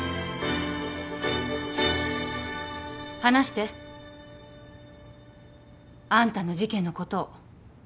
話してあんたの事件のことを。